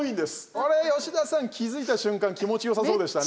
これ吉田さん、気付いた瞬間気持ちよさそうでしたね。